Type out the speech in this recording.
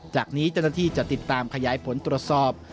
จากนี้เจ้าหน้าที่จะติดตามขยายผลตรวจสอบ